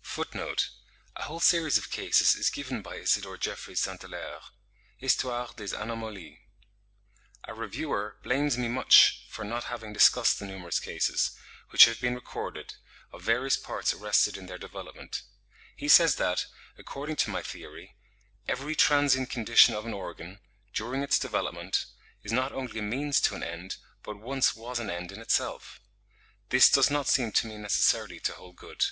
(41. A whole series of cases is given by Isidore Geoffroy St. Hilaire, 'Hist. des Anomalies,' tom, iii, p. 437. A reviewer ('Journal of Anatomy and Physiology,' 1871, p. 366) blames me much for not having discussed the numerous cases, which have been recorded, of various parts arrested in their development. He says that, according to my theory, "every transient condition of an organ, during its development, is not only a means to an end, but once was an end in itself." This does not seem to me necessarily to hold good.